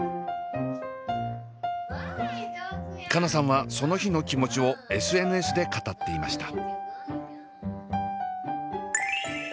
佳奈さんはその日の気持ちをＳＮＳで語っていました。